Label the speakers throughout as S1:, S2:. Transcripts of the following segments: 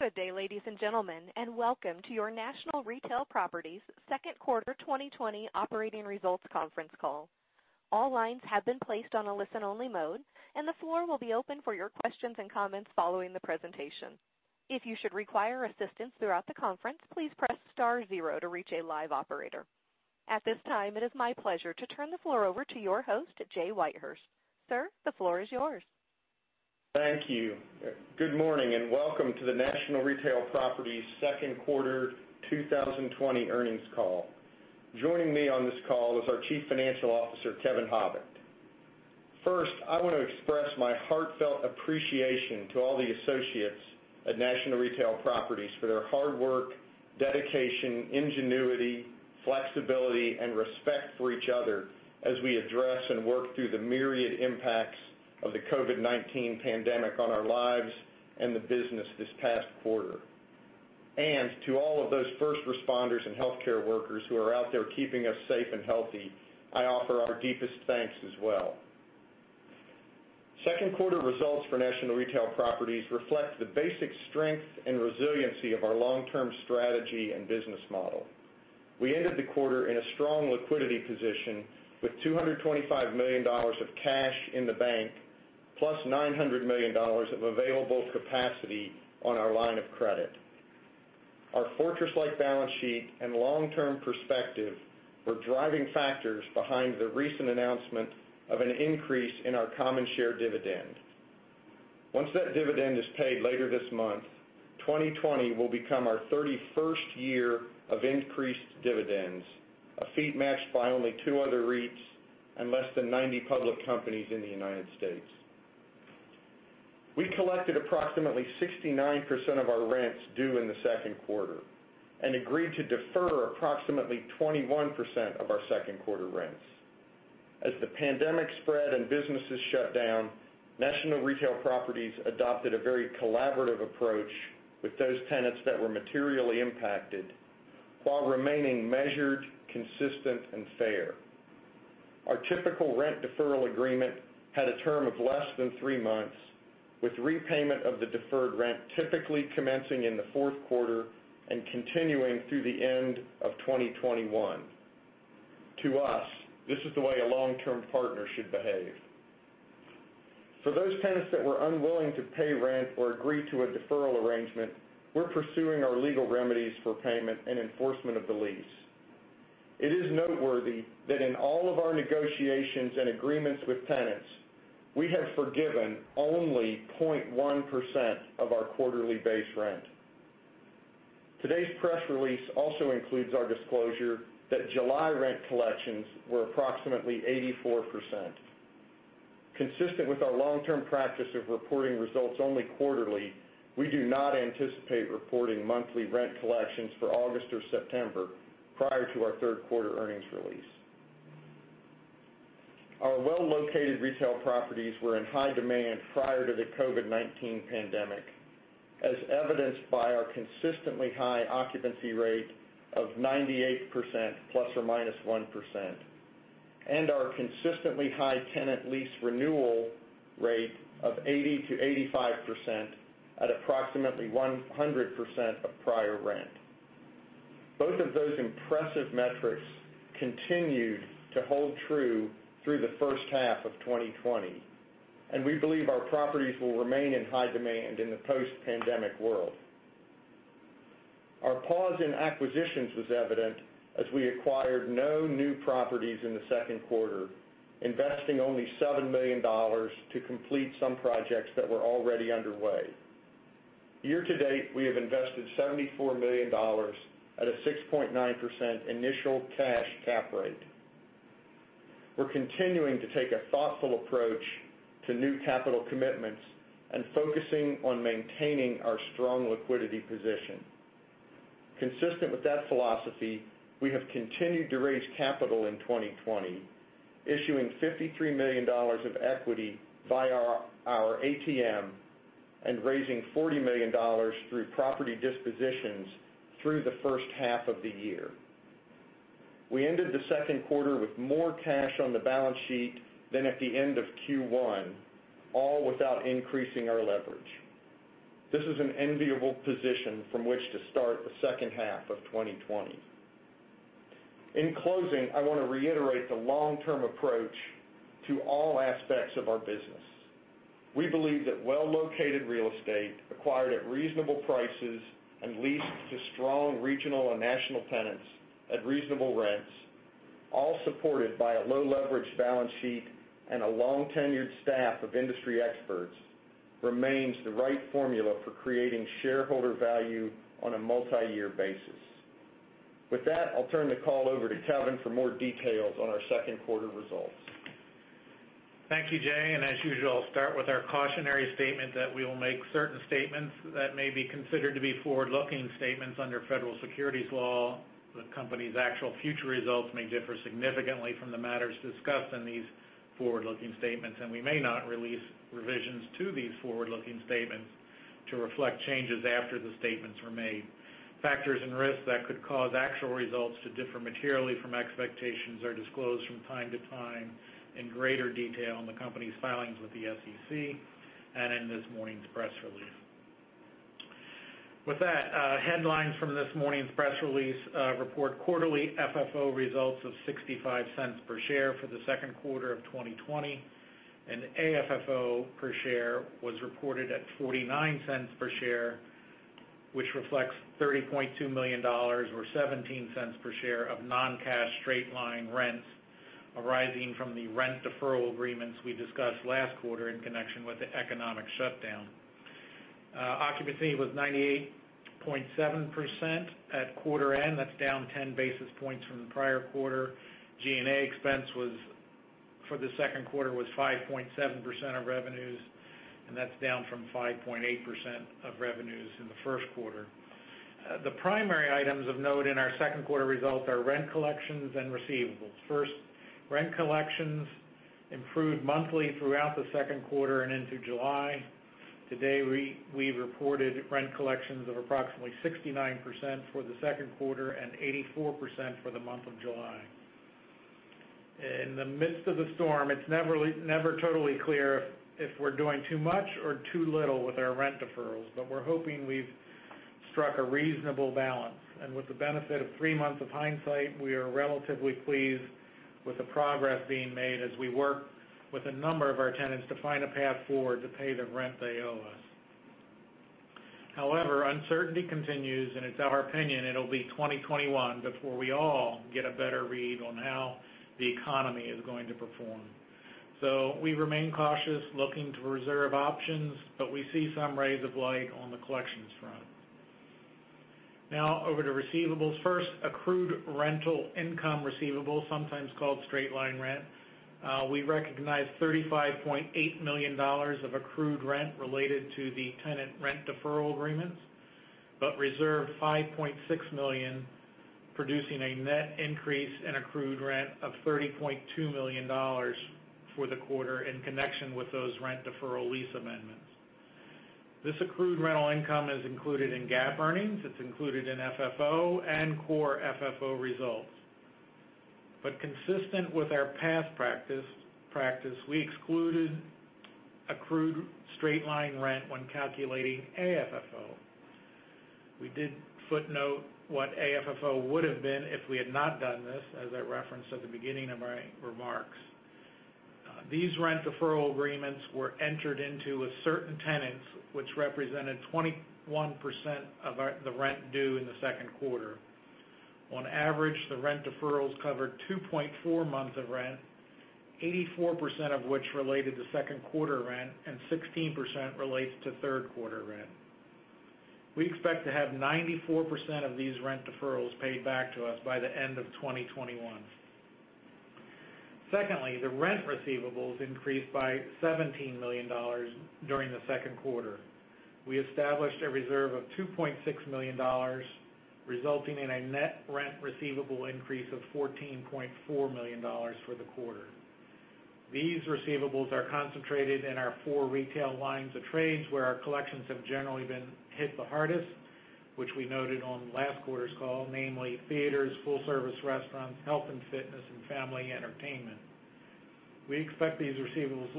S1: Good day, ladies and gentlemen. Welcome to your National Retail Properties' Q2 2020 operating results conference call. All lines have been placed on a listen-only mode, and the floor will be open for your questions and comments following the presentation. If you should require assistance throughout the conference, please press star zero to reach a live operator. At this time, it is my pleasure to turn the floor over to your host, Jay Whitehurst. Sir, the floor is yours.
S2: Thank you. Good morning and welcome to NNN REIT, Inc.'s Q2 2020 earnings call. Joining me on this call is our Chief Financial Officer, Kevin Habicht. First, I want to express my heartfelt appreciation to all the associates at NNN REIT, Inc. for their hard work, dedication, ingenuity, flexibility, and respect for each other as we address and work through the myriad impacts of the COVID-19 pandemic on our lives and the business this past quarter. And to all of those first responders and healthcare workers who are out there keeping us safe and healthy, I offer our deepest thanks as well. Q2 results for NNN REIT, Inc. reflect the basic strength and resiliency of our long-term strategy and business model. We ended the quarter in a strong liquidity position with $225 million of cash in the bank, plus $900 million of available capacity on our line of credit. Our fortress-like balance sheet and long-term perspective were driving factors behind the recent announcement of an increase in our common share dividend. Once that dividend is paid later this month, 2020 will become our 31st year of increased dividends, a feat matched by only two other REITs and less than 90 public companies in the United States. We collected approximately 69% of our rents due in the Q2 and agreed to defer approximately 21% of our Q2 rents. As the pandemic spread and businesses shut down, National Retail Properties adopted a very collaborative approach with those tenants that were materially impacted while remaining measured, consistent, and fair. Our typical rent deferral agreement had a term of less than three months, with repayment of the deferred rent typically commencing in the Q4 and continuing through the end of 2021. To us, this is the way a long-term partner should behave. For those tenants that were unwilling to pay rent or agree to a deferral arrangement, we're pursuing our legal remedies for payment and enforcement of the lease. It is noteworthy that in all of our negotiations and agreements with tenants, we have forgiven only 0.1% of our quarterly base rent. Today's press release also includes our disclosure that July rent collections were approximately 84%. Consistent with our long-term practice of reporting results only quarterly, we do not anticipate reporting monthly rent collections for August or September prior to our Q3 earnings release. Our well-located retail properties were in high demand prior to the COVID-19 pandemic, as evidenced by our consistently high occupancy rate of 98%, ±1%, and our consistently high tenant lease renewal rate of 80% to 85% at approximately 100% of prior rent. Both of those impressive metrics continued to hold true through the H1 of 2020, and we believe our properties will remain in high demand in the post-pandemic world. Our pause in acquisitions was evident as we acquired no new properties in the Q2, investing only $7 million to complete some projects that were already underway. Year to date, we have invested $74 million at a 6.9% initial cash cap rate. We're continuing to take a thoughtful approach to new capital commitments and focusing on maintaining our strong liquidity position. Consistent with that philosophy, we have continued to raise capital in 2020, issuing $53 million of equity via our ATM and raising $40 million through property dispositions through the H1 of the year. We ended the Q2 with more cash on the balance sheet than at the end of Q1, all without increasing our leverage. This is an enviable position from which to start the H2 of 2020. In closing, I want to reiterate the long-term approach to all aspects of our business. We believe that well-located real estate acquired at reasonable prices and leased to strong regional and national tenants at reasonable rents, all supported by a low-leverage balance sheet and a long-tenured staff of industry experts, remains the right formula for creating shareholder value on a multiyear basis. With that, I'll turn the call over to Kevin for more details on our Q2 results.
S3: Thank you, Jay. As usual, I'll start with our cautionary statement that we will make certain statements that may be considered to be forward-looking statements under federal securities law. The company's actual future results may differ significantly from the matters discussed in these forward-looking statements. We may not release revisions to these forward-looking statements to reflect changes after the statements were made. Factors and risks that could cause actual results to differ materially from expectations are disclosed from time to time in greater detail in the company's filings with the SEC and in this morning's press release. With that, headlines from this morning's press release report quarterly FFO results of $0.65 per share for the Q2 of 2020. AFFO per share was reported at $0.49 per share, which reflects $30.2 million, or $0.17 per share of non-cash straight-line rents arising from the rent deferral agreements we discussed last quarter in connection with the economic shutdown. Occupancy was 98.7% at quarter end. That's down 10 basis points from the prior quarter. G&A expense for the Q2 was 5.7% of revenues, and that's down from 5.8% of revenues in the Q1. The primary items of note in our Q2 results are rent collections and receivables. First, rent collections improved monthly throughout the Q2 and into July. Today, we reported rent collections of approximately 69% for the Q2 and 84% for the month of July. In the midst of the storm, it's never totally clear if we're doing too much or too little with our rent deferrals, but we're hoping we've struck a reasonable balance. With the benefit of three months of hindsight, we are relatively pleased with the progress being made as we work with a number of our tenants to find a path forward to pay the rent they owe us. However, uncertainty continues, and it's our opinion it'll be 2021 before we all get a better read on how the economy is going to perform. So we remain cautious, looking to reserve options, but we see some rays of light on the collections front. Over to receivables. First, accrued rental income receivables, sometimes called straight-line rent. We recognized $35.8 million of accrued rent related to the tenant rent deferral agreements, reserved $5.6 million, producing a net increase in accrued rent of $30.2 million for the quarter in connection with those rent deferral lease amendments. This accrued rental income is included in GAAP earnings. It's included in FFO and Core FFO results. Consistent with our past practice, we excluded accrued straight-line rent when calculating AFFO. We did footnote what AFFO would've been if we had not done this, as I referenced at the beginning of my remarks. These rent deferral agreements were entered into with certain tenants, which represented 21% of the rent due in the Q2. On average, the rent deferrals covered two point four months of rent, 84% of which related to Q2 rent, 16% relates to Q3 rent. We expect to have 94% of these rent deferrals paid back to us by the end of 2021. Secondly, the rent receivables increased by $17 million during the Q2. We established a reserve of $2.6 million, resulting in a net rent receivable increase of $14.4 million for the quarter. These receivables are concentrated in our four retail lines of trades, where our collections have generally been hit the hardest, which we noted on last quarter's call, namely theaters, full-service restaurants, health and fitness, and family entertainment. We expect these receivables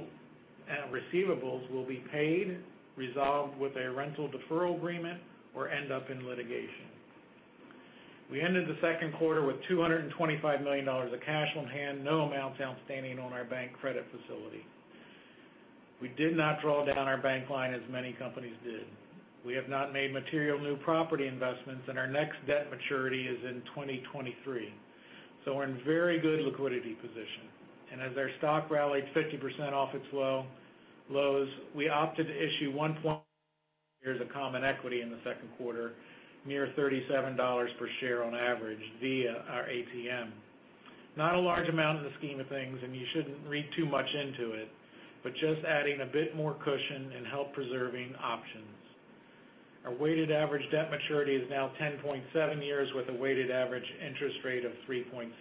S3: will be paid, resolved with a rental deferral agreement, or end up in litigation. We ended the Q2 with $225 million of cash on hand, no amounts outstanding on our bank credit facility. We did not draw down our bank line as many companies did. We have not made material new property investments, and our next debt maturity is in 2023. We're in very good liquidity position. As our stock rallied 50% off its lows, we opted to issue one point one of common equity in the Q2, near $37 per share on average via our ATM. Not a large amount in the scheme of things, and you shouldn't read too much into it, but just adding a bit more cushion and help preserving options. Our weighted average debt maturity is now 10.7 years with a weighted average interest rate of 3.7%.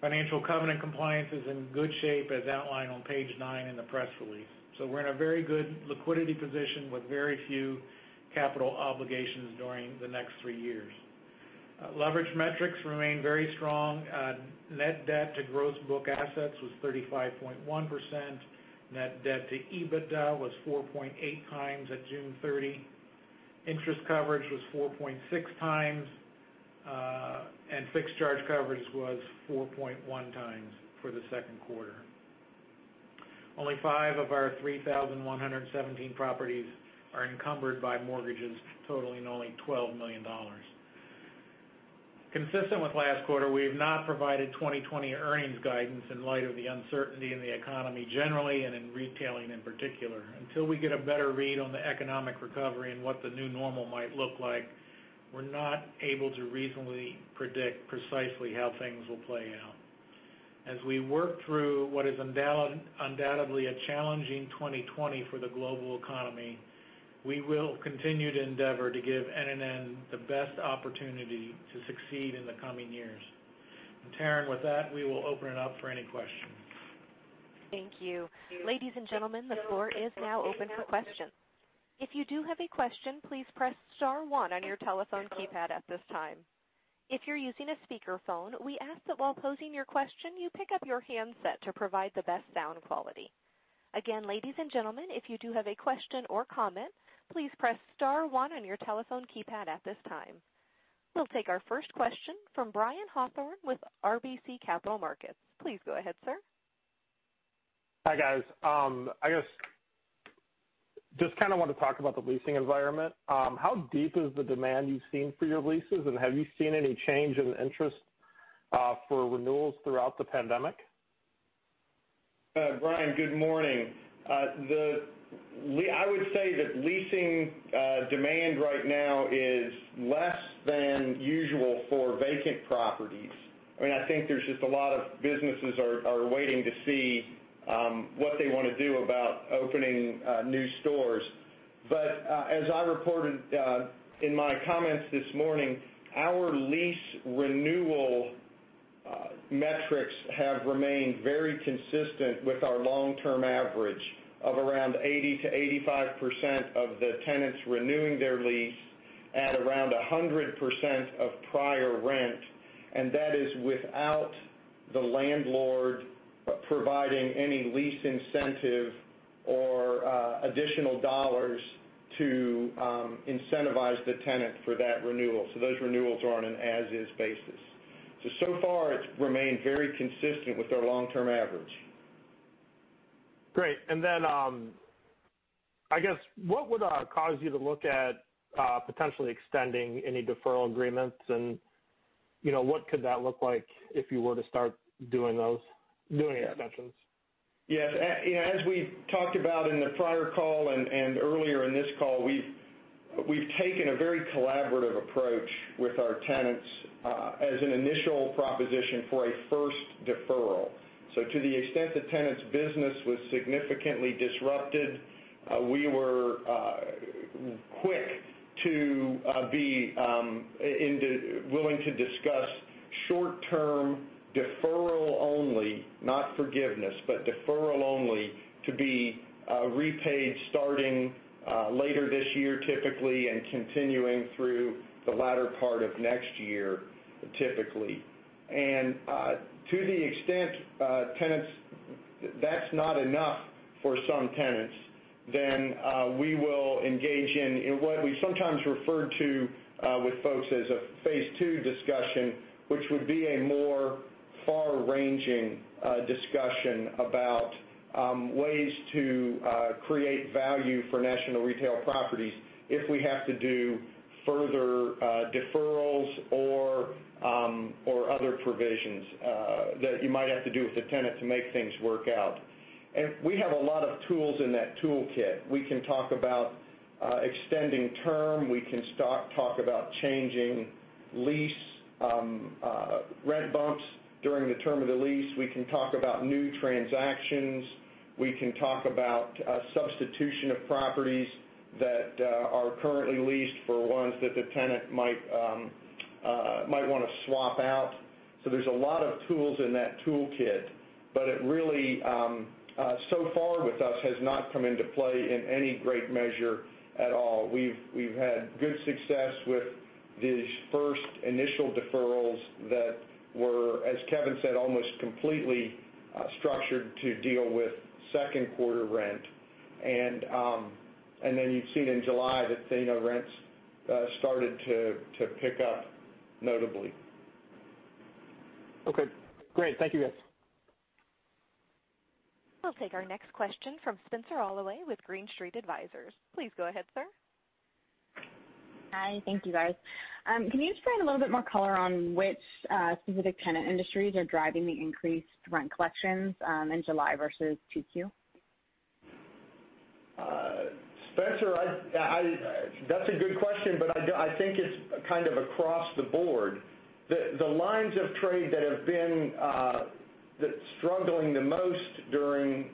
S3: Financial covenant compliance is in good shape as outlined on page nine in the press release. We're in a very good liquidity position with very few capital obligations during the next three years. Leverage metrics remain very strong. Net debt to gross book assets was 35.1%. Net debt to EBITDA was four point eight times at June 30. Interest coverage was four point six times. Fixed charge coverage was four point one times for the Q2. Only five of our 3,117 properties are encumbered by mortgages totaling only $12 million. Consistent with last quarter, we have not provided 2020 earnings guidance in light of the uncertainty in the economy generally, and in retailing in particular. Until we get a better read on the economic recovery and what the new normal might look like, we're not able to reasonably predict precisely how things will play out. As we work through what is undoubtedly a challenging 2020 for the global economy, we will continue to endeavor to give NNN the best opportunity to succeed in the coming years. Taryn, with that, we will open it up for any questions.
S1: Thank you. Ladies and gentlemen, the floor is now open for questions. If you do have a question, please press star one on your telephone keypad at this time. If you're using a speakerphone, we ask that while posing your question, you pick up your handset to provide the best sound quality. Again, ladies and gentlemen, if you do have a question or comment, please press star one on your telephone keypad at this time. We'll take our first question from Brian Hawthorne with RBC Capital Markets. Please go ahead, sir.
S4: Hi, guys. I just want to talk about the leasing environment. How deep is the demand you've seen for your leases, and have you seen any change in interest for renewals throughout the pandemic?
S2: Brian, good morning. I would say that leasing demand right now is less than usual for vacant properties. I think there's just a lot of businesses are waiting to see what they want to do about opening new stores. But as I reported in my comments this morning, our lease renewal metrics have remained very consistent with our long-term average of around 80% to 85% of the tenants renewing their lease at around 100% of prior rent, and that is without the landlord providing any lease incentive or additional dollars to incentivize the tenant for that renewal. Those renewals are on an as-is basis. So far it's remained very consistent with our long-term average.
S4: Great. What would cause you to look at potentially extending any deferral agreements and what could that look like if you were to start doing those extensions?
S2: As we talked about in the prior call and earlier in this call, we've taken a very collaborative approach with our tenants as an initial proposition for a first deferral. To the extent the tenant's business was significantly disrupted, we were quick to be willing to discuss short-term deferral only, not forgiveness, but deferral only to be repaid starting later this year, typically, and continuing through the latter part of next year, typically. To the extent that's not enough for some tenants, we will engage in what we sometimes refer to with folks as a phase two discussion, which would be a more far-ranging discussion about ways to create value for National Retail Properties if we have to do further deferrals or other provisions that you might have to do with the tenant to make things work out. We have a lot of tools in that toolkit. We can talk about extending term. We can talk about changing lease rent bumps during the term of the lease. We can talk about new transactions. We can talk about substitution of properties that are currently leased for ones that the tenant might want to swap out. There's a lot of tools in that toolkit, but it really, so far with us, has not come into play in any great measure at all. We've had good success with these first initial deferrals that were, as Kevin said, almost completely structured to deal with Q2 rent. Then you've seen in July that rents started to pick up notably.
S4: Okay, great. Thank you, guys.
S1: We'll take our next question from Spenser Glimcher with Green Street Advisors. Please go ahead, sir.
S5: Hi. Thank you, guys. Can you just provide a little bit more color on which specific tenant industries are driving the increased rent collections in July versus 2Q?
S2: Spenser, that's a good question. I think it's kind of across the board. The lines of trade that have been struggling the most during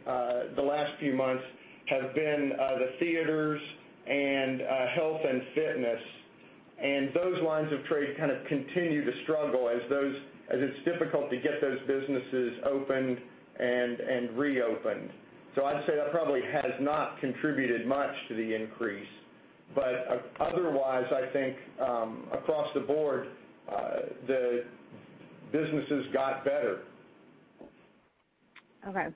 S2: the last few months have been the theaters and health and fitness. Those lines of trade kind of continue to struggle as it's difficult to get those businesses opened and reopened. I'd say that probably has not contributed much to the increase. Otherwise, I think, across the board, the businesses got better.
S5: Okay.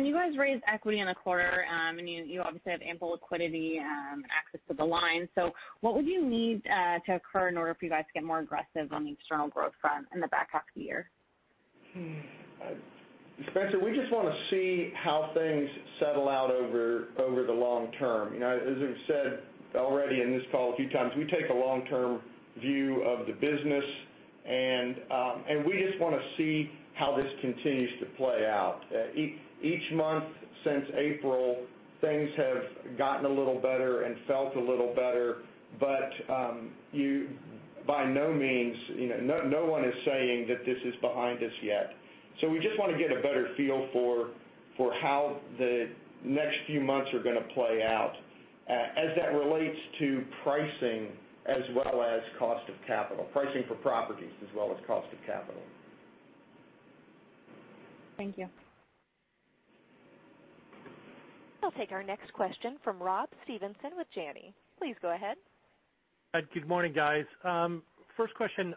S5: You guys raised equity in the quarter, and you obviously have ample liquidity and access to the line. What would you need to occur in order for you guys to get more aggressive on the external growth front in the back half of the year?
S2: Spenser, we just want to see how things settle out over the long term. As we've said already in this call a few times, we take a long-term view of the business, and we just want to see how this continues to play out. Each month since April, things have gotten a little better and felt a little better, but no one is saying that this is behind us yet. We just want to get a better feel for how the next few months are going to play out as that relates to pricing as well as cost of capital, pricing for properties as well as cost of capital.
S5: Thank you.
S1: We'll take our next question from Robert Stevenson with Janney. Please go ahead.
S6: Good morning, guys. First question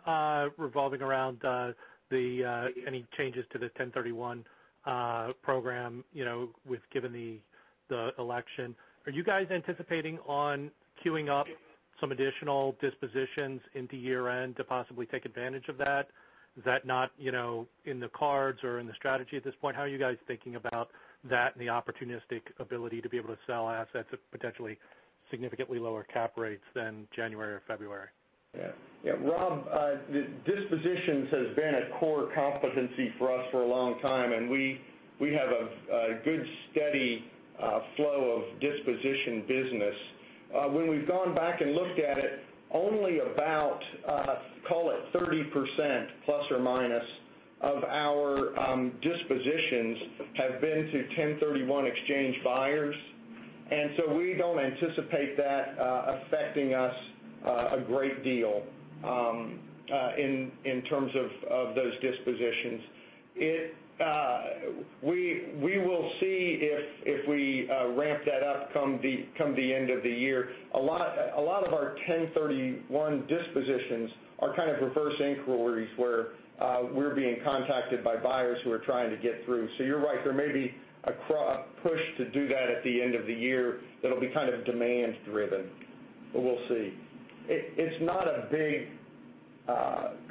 S6: revolving around any changes to the 1031 program, given the election. Are you guys anticipating on queuing up some additional dispositions into year-end to possibly take advantage of that? Is that not in the cards or in the strategy at this point? How are you guys thinking about that and the opportunistic ability to be able to sell assets at potentially significantly lower cap rates than January or February?
S2: Robert, dispositions has been a core competency for us for a long time, and we have a good, steady flow of disposition business. When we've gone back and looked at it, only about, call it 30%, plus or minus, of our dispositions have been to 1031 exchange buyers. So we don't anticipate that affecting us a great deal in terms of those dispositions. We will see if we ramp that up come the end of the year. A lot of our 1031 dispositions are kind of reverse inquiries, where we're being contacted by buyers who are trying to get through. You're right, there may be a push to do that at the end of the year that'll be kind of demand driven. We'll see. It's not a big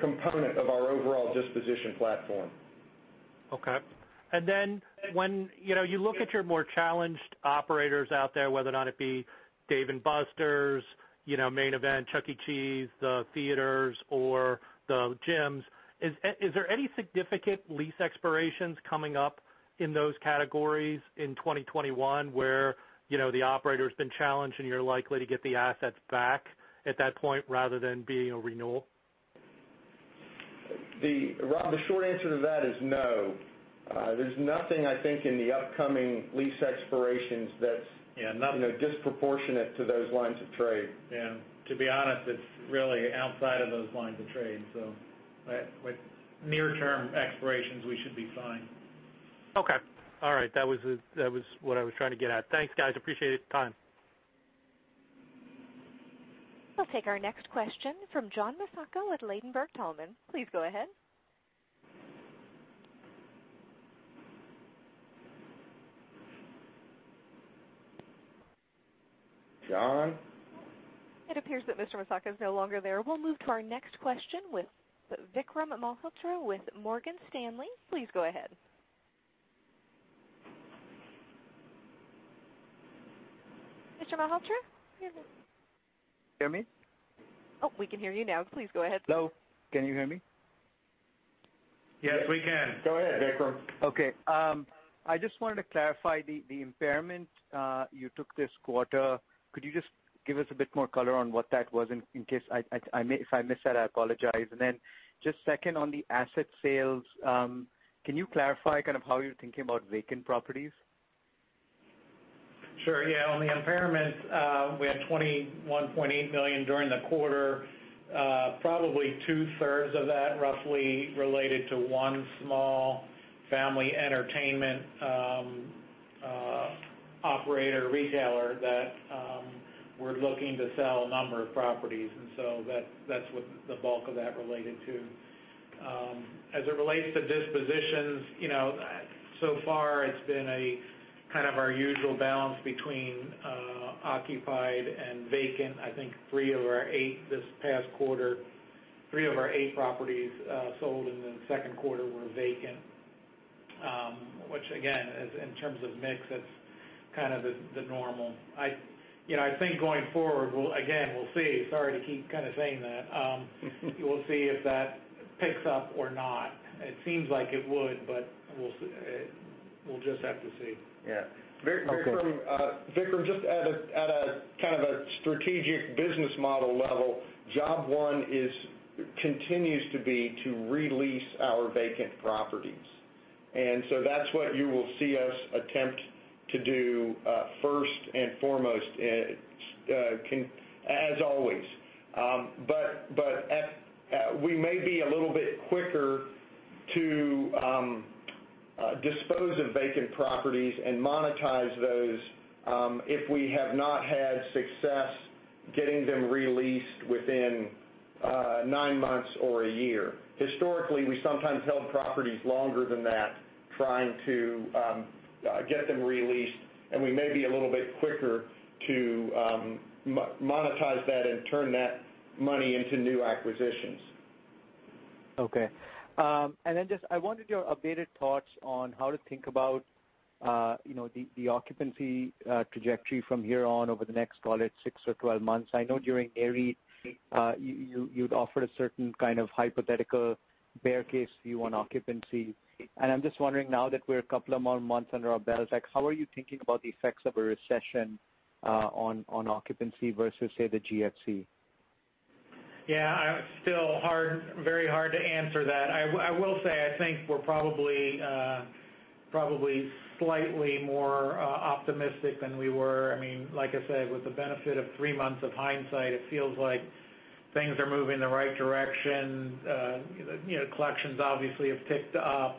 S2: component of our overall disposition platform.
S6: Okay. And then when you look at your more challenged operators out there, whether or not it be Dave & Buster's, Main Event, Chuck E. Cheese, the theaters, or the gyms, is there any significant lease expirations coming up in those categories in 2021 where the operator's been challenged and you're likely to get the assets back at that point rather than being a renewal?
S2: Rob, the short answer to that is no. There's nothing, I think, in the upcoming lease expirations that's disproportionate to those lines of trade.
S3: Yeah. To be honest, it's really outside of those lines of trade. With near-term expirations, we should be fine.
S6: Okay. All right. That was what I was trying to get at. Thanks, guys. Appreciate the time.
S1: We'll take our next question from John Massocca with Ladenburg Thalmann. Please go ahead.
S2: John?
S1: It appears that Mr. Massocca is no longer there. We'll move to our next question with Vikram Malhotra with Morgan Stanley. Please go ahead. Mr. Malhotra?
S7: Can you hear me?
S1: Oh, we can hear you now. Please go ahead.
S7: Hello, can you hear me?
S2: Yes, we can.
S3: Go ahead, Vikram.
S7: Okay. I just wanted to clarify the impairment you took this quarter. Could you just give us a bit more color on what that was? In case if I missed that, I apologize. Just second on the asset sales, can you clarify kind of how you're thinking about vacant properties?
S3: Sure. Yeah, on the impairment, we had $21.8 million during the quarter. Probably two-thirds of that roughly related to one small family entertainment operator, retailer that we're looking to sell a number of properties. That's what the bulk of that related to. As it relates to dispositions, so far it's been kind of our usual balance between occupied and vacant. I think three of our eight this past quarter, three of our eight properties sold in the Q2 were vacant. Again, in terms of mix, that's kind of the normal. I think going forward, again, we'll see. Sorry to keep kind of saying that. We'll see if that picks up or not. It seems like it would, we'll just have to see.
S2: Yeah.
S7: Okay.
S2: Vikram, just at a kind of a strategic business model level, job one continues to be to re-lease our vacant properties. That's what you will see us attempt to do first and foremost, as always. But we may be a little bit quicker to dispose of vacant properties and monetize those if we have not had success getting them re-leased within nine months or a year. Historically, we sometimes held properties longer than that, trying to get them re-leased, and we may be a little bit quicker to monetize that and turn that money into new acquisitions.
S7: Okay. Just, I wanted your updated thoughts on how to think about the occupancy trajectory from here on over the next, call it six or 12 months. I know during Nareit, you'd offered a certain kind of hypothetical bear case view on occupancy. I'm just wondering now that we're a couple of more months under our belts, how are you thinking about the effects of a recession on occupancy versus, say, the GFC?
S3: Yeah, still very hard to answer that. I will say, I think we're probably slightly more optimistic than we were. Like I said, with the benefit of three months of hindsight, it feels like things are moving in the right direction. Collections obviously have ticked up.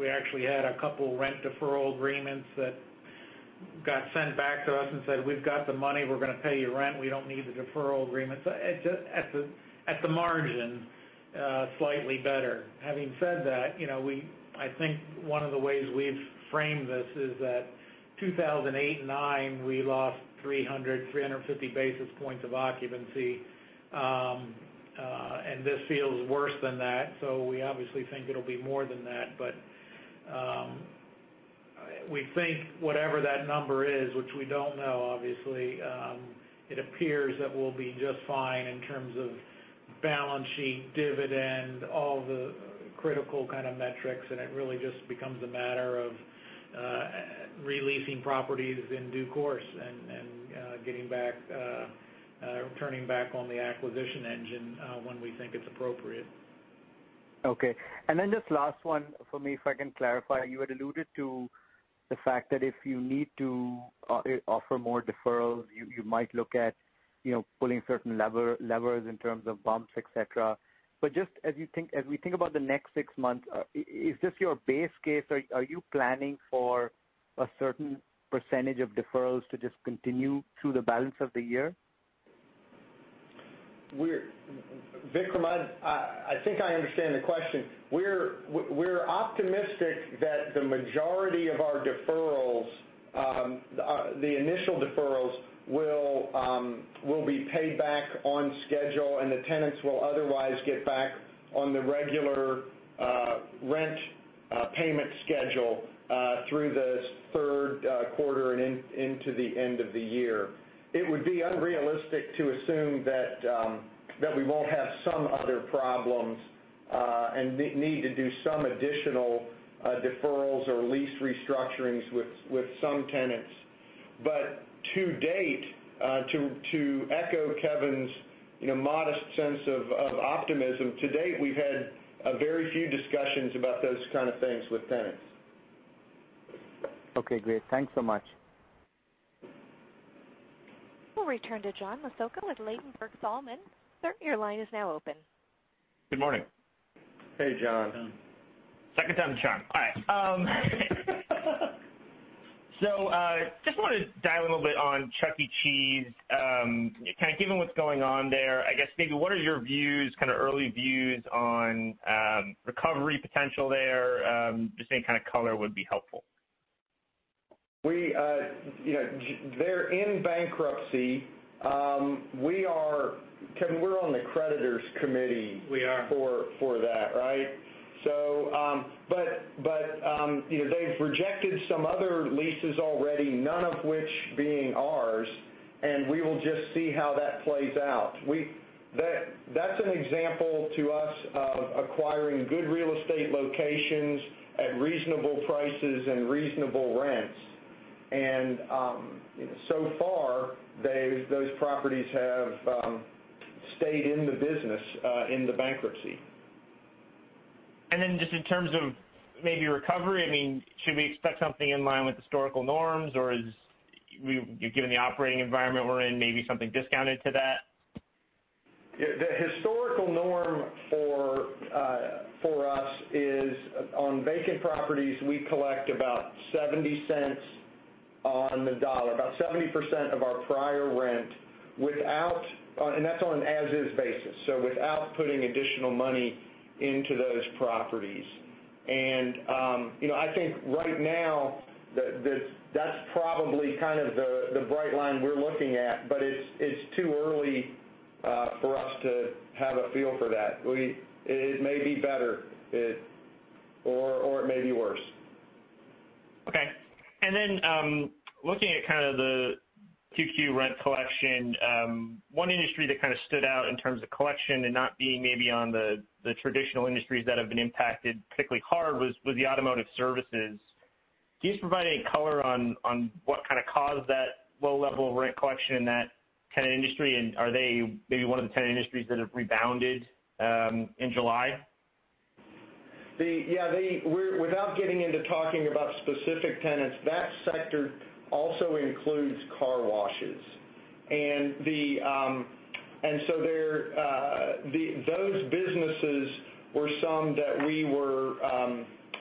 S3: We actually had a couple of rent deferral agreements that got sent back to us and said, "We've got the money. We're going to pay you rent. We don't need the deferral agreement." At the margin, slightly better. Having said that, I think one of the ways we've framed this is that 2008 and 2009, we lost 300, 350 basis points of occupancy. This feels worse than that. We obviously think it'll be more than that. We think whatever that number is, which we don't know, obviously, it appears that we'll be just fine in terms of balance sheet, dividend, all the critical kind of metrics, and it really just becomes a matter of re-leasing properties in due course and getting back, turning back on the acquisition engine when we think it's appropriate.
S7: Okay. Just last one for me, if I can clarify. You had alluded to the fact that if you need to offer more deferrals, you might look at pulling certain levers in terms of bumps, et cetera. Just as we think about the next six months, is this your base case? Are you planning for a certain % of deferrals to just continue through the balance of the year?
S3: Vikram, I think I understand the question. We're optimistic that the majority of our deferrals, the initial deferrals, will be paid back on schedule, and the tenants will otherwise get back on the regular rent payment schedule through the Q3 and into the end of the year. It would be unrealistic to assume that we won't have some other problems and need to do some additional deferrals or lease restructurings with some tenants. To date, to echo Kevin's modest sense of optimism, to date, we've had very few discussions about those kind of things with tenants.
S7: Okay, great. Thanks so much.
S1: We'll return to John Massocca with Ladenburg Thalmann. Sir, your line is now open.
S8: Good morning.
S3: Hey, John.
S8: Second time's the charm. Just want to dial in a little bit on Chuck E. Cheese. Kind of given what's going on there, I guess maybe what are your views, kind of early views on recovery potential there? Just any kind of color would be helpful.
S2: They're in bankruptcy. Kevin, we're on the creditors committee.
S3: We are
S2: for that, right? They've rejected some other leases already, none of which being ours, and we will just see how that plays out. That's an example to us of acquiring good real estate locations at reasonable prices and reasonable rents. So far, those properties have stayed in the business in the bankruptcy.
S8: Just in terms of maybe recovery, should we expect something in line with historical norms, or given the operating environment we're in, maybe something discounted to that?
S3: The historical norm for us is on vacant properties, we collect about $0.70 on the dollar, about 70% of our prior rent, that's on an as is basis, so without putting additional money into those properties. I think right now, that's probably kind of the bright line we're looking at, but it's too early for us to have a feel for that. It may be better or it may be worse.
S8: Okay. Looking at kind of the 2Q rent collection, one industry that kind of stood out in terms of collection and not being maybe on the traditional industries that have been impacted particularly hard was the automotive services. Can you just provide any color on what kind of caused that low level of rent collection in that kind of industry? Are they maybe one of the kind of industries that have rebounded in July?
S3: Yeah. Without getting into talking about specific tenants, that sector also includes car washes. Those businesses were some that we were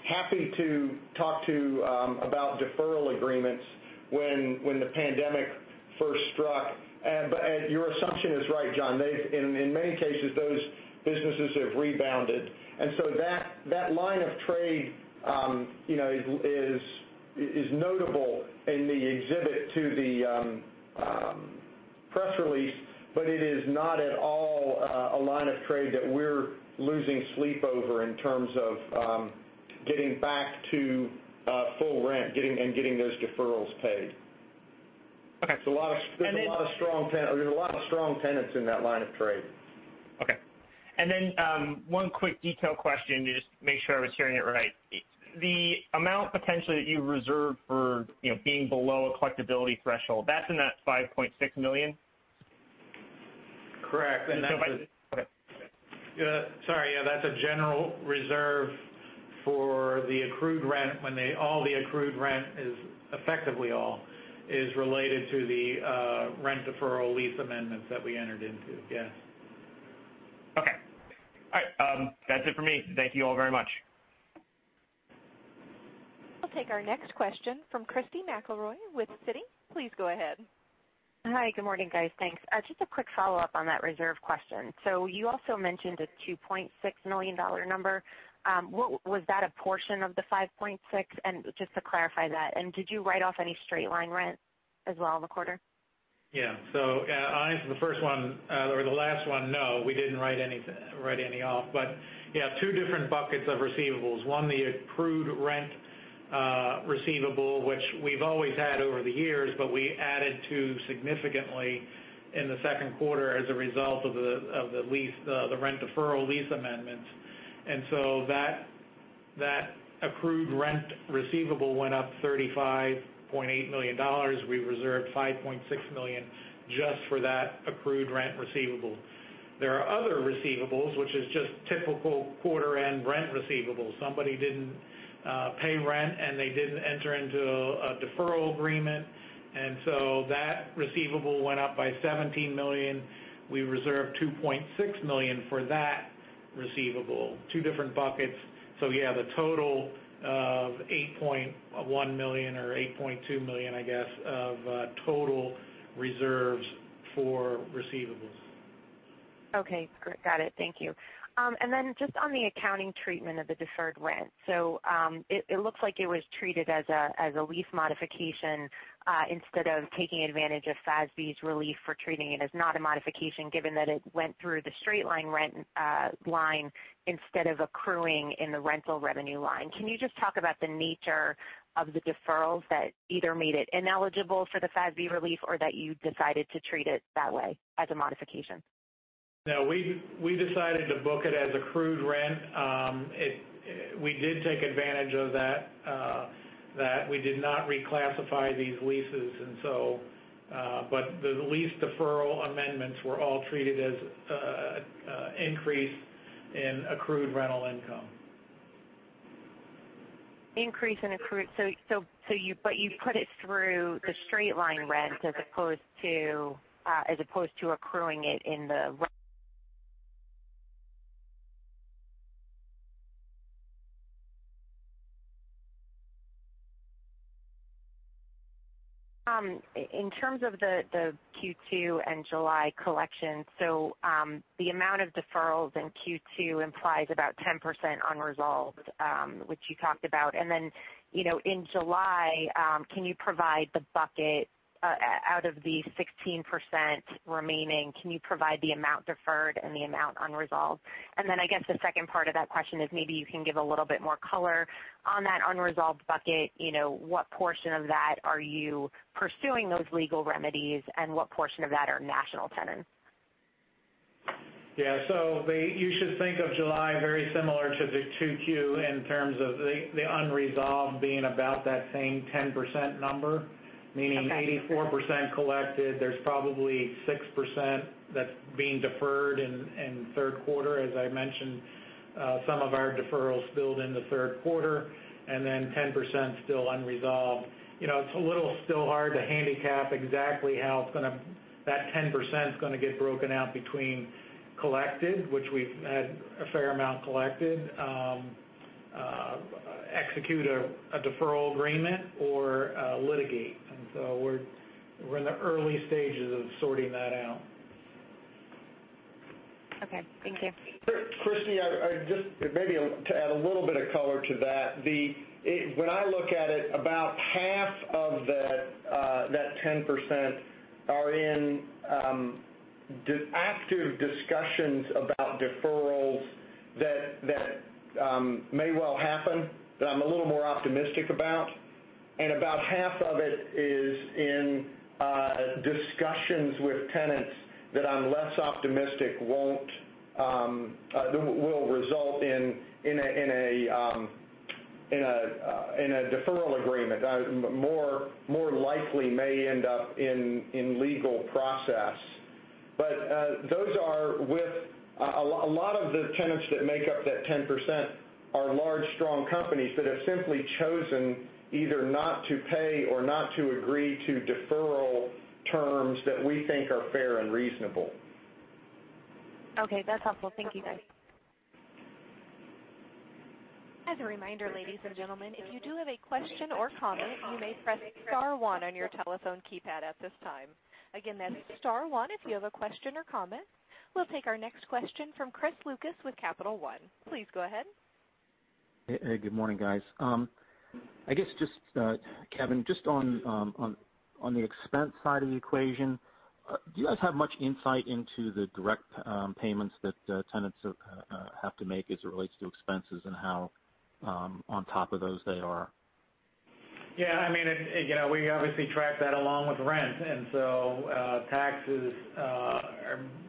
S3: happy to talk to about deferral agreements when the pandemic first struck. Your assumption is right, John. In many cases, those businesses have rebounded, and so that line of trade is notable in the exhibit to the press release, but it is not at all a line of trade that we're losing sleep over in terms of getting back to full rent and getting those deferrals paid.
S8: Okay.
S3: There's a lot of strong tenants in that line of trade.
S8: Okay. Then one quick detail question to just make sure I was hearing it right. The amount potentially that you reserved for being below a collectibility threshold, that's in that $5.6 million?
S3: Correct.
S8: Okay
S3: Sorry. Yeah, that's a general reserve for the accrued rent when all the accrued rent is, effectively all, is related to the rent deferral lease amendments that we entered into. Yes.
S8: Okay. All right. That's it for me. Thank you all very much.
S1: We'll take our next question from Chris McElroy with Citi. Please go ahead.
S9: Hi. Good morning, guys. Thanks. Just a quick follow-up on that reserve question. You also mentioned a $2.6 million number. Was that a portion of the $5.6 million? Just to clarify that, and did you write off any straight line rent as well in the quarter?
S3: Yeah. To answer the first one or the last one, no, we didn't write any off. Yeah, two different buckets of receivables. One, the accrued rent receivable, which we've always had over the years, but we added to significantly in the Q2 as a result of the rent deferral lease amendments. That accrued rent receivable went up $35.8 million. We reserved $5.6 million just for that accrued rent receivable. There are other receivables, which is just typical quarter-end rent receivables. Somebody didn't pay rent, and they didn't enter into a deferral agreement, that receivable went up by $17 million. We reserved $2.6 million for that receivable. Two different buckets. Yeah, the total of $8.1 million or $8.2 million, I guess, of total reserves for receivables.
S9: Okay. Got it. Thank you. Then just on the accounting treatment of the deferred rent. It looks like it was treated as a lease modification instead of taking advantage of FASB's relief for treating it as not a modification, given that it went through the straight line rent line instead of accruing in the rental revenue line. Can you just talk about the nature of the deferrals that either made it ineligible for the FASB relief or that you decided to treat it that way as a modification?
S3: No. We decided to book it as accrued rent. We did take advantage of that. We did not reclassify these leases, but the lease deferral amendments were all treated as an increase in accrued rental income.
S9: Increase in accrued. You put it through the straight line rent as opposed to accruing it in the In terms of the Q2 and July collection, the amount of deferrals in Q2 implies about 10% unresolved, which you talked about. In July, out of the 16% remaining, can you provide the amount deferred and the amount unresolved? I guess the second part of that question is maybe you can give a little bit more color on that unresolved bucket. What portion of that are you pursuing those legal remedies, and what portion of that are national tenants?
S3: Yeah. So you should think of July very similar to the 2Q in terms of the unresolved being about that same 10% number.
S9: Okay.
S3: Meaning 84% collected. There's probably 6% that's being deferred in Q3. As I mentioned, some of our deferrals build in the Q3, 10% still unresolved. It's a little still hard to handicap exactly how that 10% is going to get broken out between collected, which we've had a fair amount collected, execute a deferral agreement, or litigate. We're in the early stages of sorting that out.
S9: Okay. Thank you.
S2: Christy, just maybe to add a little bit of color to that. When I look at it, about half of that 10% are in active discussions about deferrals that may well happen, that I'm a little more optimistic about. About half of it is in discussions with tenants that I'm less optimistic will result in a deferral agreement. More likely may end up in legal process. A lot of the tenants that make up that 10% are large, strong companies that have simply chosen either not to pay or not to agree to deferral terms that we think are fair and reasonable.
S9: Okay. That's helpful. Thank you, guys.
S1: As a reminder, ladies and gentlemen, if you do have a question or comment, you may press star one on your telephone keypad at this time. Again, that's star one if you have a question or comment. We'll take our next question from Chris Lucas with Capital One. Please go ahead.
S10: Hey. Good morning, guys. I guess, Kevin, just on the expense side of the equation, do you guys have much insight into the direct payments that tenants have to make as it relates to expenses and how on top of those they are?
S3: Yeah. We obviously track that along with rent.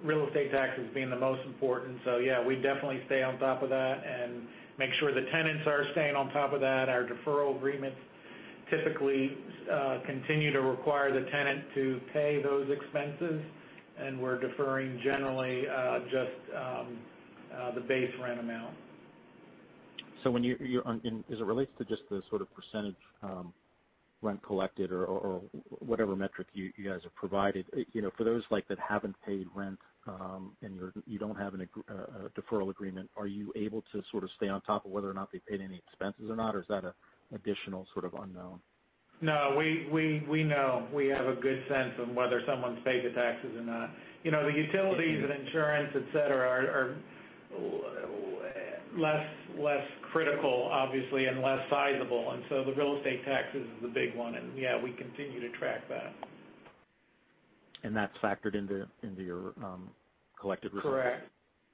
S3: Real estate tax is being the most important. Yeah, we definitely stay on top of that and make sure the tenants are staying on top of that. Our deferral agreements typically continue to require the tenant to pay those expenses, and we're deferring generally just the base rent amount.
S10: As it relates to just the sort of percentage rent collected or whatever metric you guys have provided, for those that haven't paid rent and you don't have a deferral agreement, are you able to sort of stay on top of whether or not they paid any expenses or not, or is that an additional sort of unknown?
S3: No, we know. We have a good sense of whether someone's paid the taxes or not. The utilities and insurance, et cetera, are less critical, obviously, and less sizable. The real estate tax is the big one, and yeah, we continue to track that.
S10: That's factored into your collected.
S3: Correct.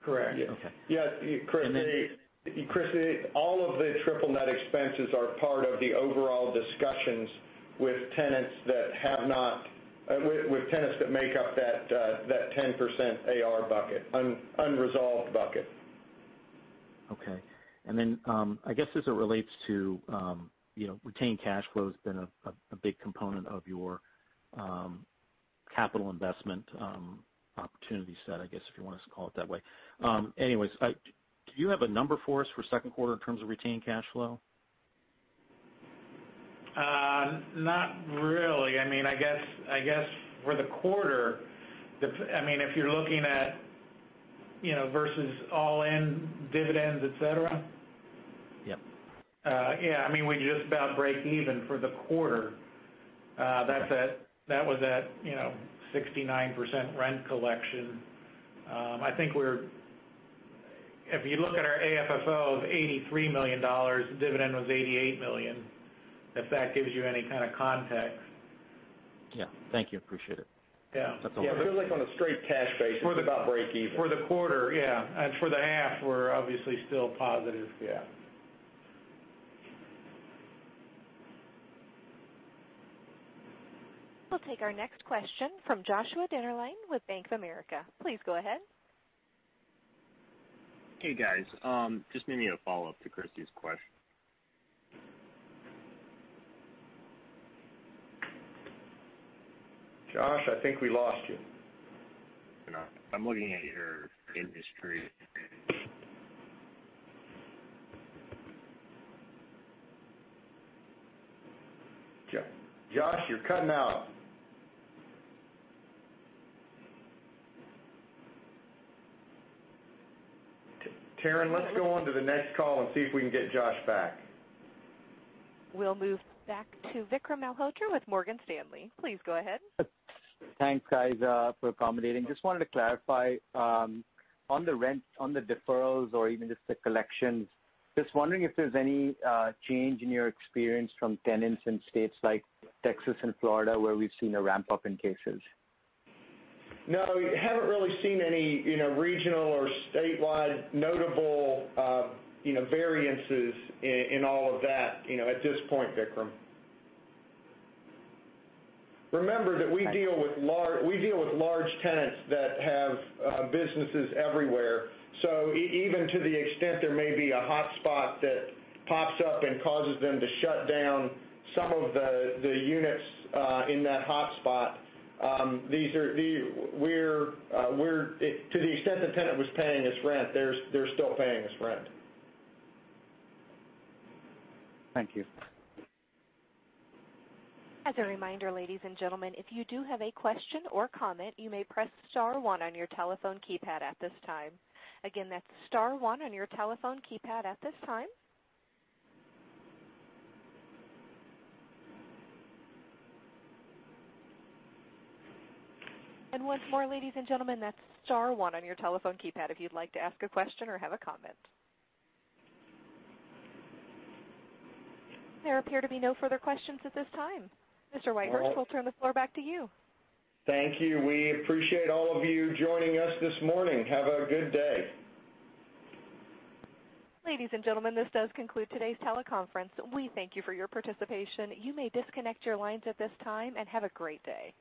S10: Okay.
S3: Yes, Christy, all of the triple net expenses are part of the overall discussions with tenants that make up that 10% AR bucket, unresolved bucket.
S10: Okay. I guess, as it relates to retained cash flow has been a big component of your capital investment opportunity set, I guess, if you want us to call it that way. Anyways, do you have a number for us for Q2 in terms of retained cash flow?
S3: Not really. I guess for the quarter, if you're looking at versus all-in dividends, et cetera?
S10: Yep.
S3: Yeah. We just about break even for the quarter. That was at 69% rent collection. I think if you look at our AFFO of $83 million, the dividend was $88 million, if that gives you any kind of context.
S10: Yeah. Thank you. Appreciate it.
S3: Yeah. Yeah, if you look on a straight cash basis, we're about break even. For the quarter, yeah. For the half, we're obviously still positive, yeah.
S1: We'll take our next question from Joshua Dennerlein with Bank of America. Please go ahead.
S11: Hey, guys. Just maybe a follow-up to Christy's question.
S3: Josh, I think we lost you.
S11: No, I'm looking at your industry.
S3: Josh, you're cutting out. Taryn, let's go on to the next call and see if we can get Josh back.
S1: We'll move back to Vikram Malhotra with Morgan Stanley. Please go ahead.
S7: Thanks, guys, for accommodating. Just wanted to clarify on the deferrals or even just the collections, just wondering if there's any change in your experience from tenants in states like Texas and Florida, where we've seen a ramp-up in cases?
S3: No, we haven't really seen any regional or statewide notable variances in all of that, at this point, Vikram. Remember that we deal with large tenants that have businesses everywhere. Even to the extent there may be a hotspot that pops up and causes them to shut down some of the units in that hotspot, to the extent the tenant was paying us rent, they're still paying us rent.
S7: Thank you.
S1: As a reminder, ladies and gentlemen, if you do have a question or comment, you may press star one on your telephone keypad at this time. Again, that's star one on your telephone keypad at this time. Once more, ladies and gentlemen, that's star one on your telephone keypad if you'd like to ask a question or have a comment. There appear to be no further questions at this time. Mr. Whitehurst, we'll turn the floor back to you.
S2: Thank you. We appreciate all of you joining us this morning. Have a good day.
S1: Ladies and gentlemen, this does conclude today's teleconference. We thank you for your participation. You may disconnect your lines at this time, and have a great day.